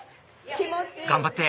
頑張って！